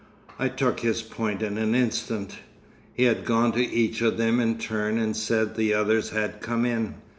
I took his point in an instant. He had gone to each of them in turn and said the others had come in.